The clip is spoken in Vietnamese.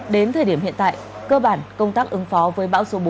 đến thời điểm hiện tại cơ bản công tác ứng phó với bão số bốn